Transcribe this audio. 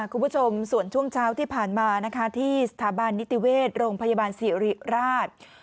คุณผู้ชมส่วนช่วงเช้าที่ผ่านมานะคะที่สถาบันนิติเวชโรงพยาบาลสิริราช